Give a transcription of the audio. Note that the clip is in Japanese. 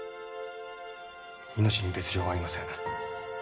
命に別状はありません